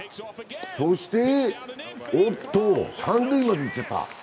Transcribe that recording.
そしておっと、三塁まで行っちゃった。